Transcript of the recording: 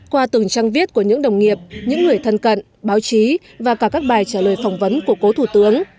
qua từng trang viết của những đồng nghiệp những người thân cận báo chí và cả các bài trả lời phỏng vấn của cố thủ tướng